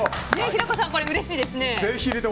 平子さん、これうれしいですね。